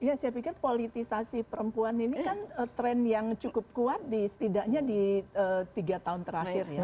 ya saya pikir politisasi perempuan ini kan tren yang cukup kuat setidaknya di tiga tahun terakhir ya